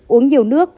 uống nhiều nước